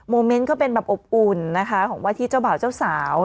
เมนต์ก็เป็นแบบอบอุ่นนะคะของว่าที่เจ้าบ่าวเจ้าสาว